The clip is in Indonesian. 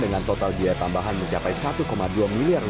dengan total biaya tambahan mencapai rp satu dua miliar